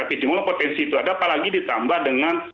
itu potensi itu ada apalagi ditambah dengan